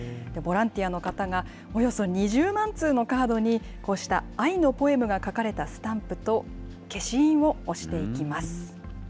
ボランティアの方が、およそ２０万通のカードに、こうした愛のポエムが書かれたスタンプと消印を押していきます。